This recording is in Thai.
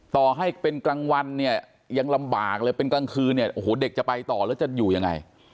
ต่อให้เป็นกลางวันเนี่ยยังลำบากเลยเป็นกลางคืนเนี่ยโอ้โหเด็กจะไปต่อแล้วจะอยู่ยังไง